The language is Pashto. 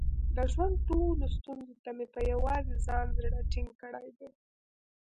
د ژوند ټولو ستونزو ته مې په یووازې ځان زړه ټینګ کړی دی.